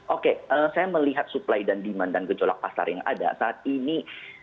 oke saya melihat supply dan demand dan gejolak pasar yang ada saat ini